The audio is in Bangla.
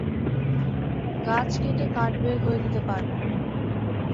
গাছ কেটে কাঠ বের করে দিতে পারব।